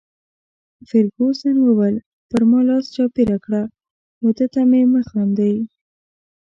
فرګوسن وویل: پر ما لاس چاپیره کړه، وه ده ته مه خاندي.